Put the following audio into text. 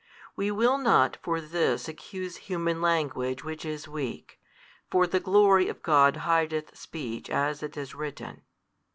We will not for this accuse human language which is weak, for the glory of God hideth speech, as it is written.